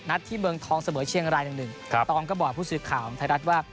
นัดที่เมืองท้องเสมอเชียงรายนึงครับตองก็บอกผู้สื่อข่าวไทยรัฐว่า